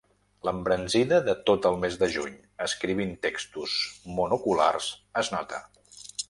L'embranzida de tot el mes de juny escrivint textos monoculars es nota.